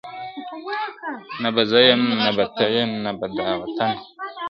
نه به زه یم نه به ته نه دا وطن وي ,